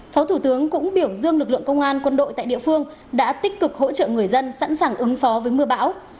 phó thủ tướng cũng biểu dương lực lượng công an quân đội tại địa phương đã tích cực hỗ trợ người dân sẵn sàng ứng phó với mưa bão